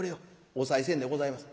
おさい銭でございます。